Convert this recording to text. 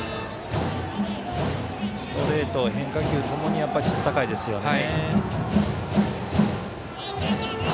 ストレート、変化球ともにちょっと高いですよね。